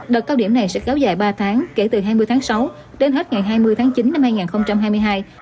đợt cao điểm này sẽ kéo dài ba tháng kể từ hai mươi tháng sáu đến hết ngày hai mươi tháng chín năm hai nghìn hai mươi hai